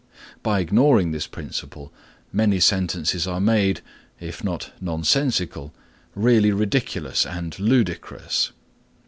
By ignoring this principle many sentences are made, if not nonsensical, really ridiculous and ludicrous.